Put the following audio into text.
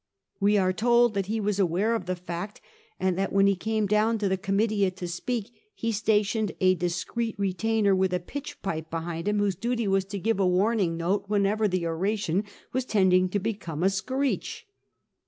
We are told that he was aware of the fact, and that when he came down to the Oomitia to speak, he stationed a discreet retainer with a pitch pipe behind him, whose duty was to give a warn ing note whenever the oration was tending to become a screech.